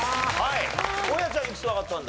大家ちゃんいくつわかったんだ？